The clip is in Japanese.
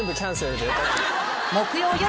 ［木曜夜］